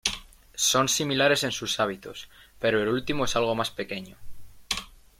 Son similares en sus hábitos, pero el último es algo más pequeño.